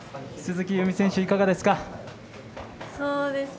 鈴木夕湖選手、いかがですか？